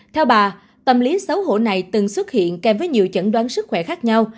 theo bà tâm lý xấu hổ này từng xuất hiện kèm với nhiều chẩn đoán sức khỏe khác nhau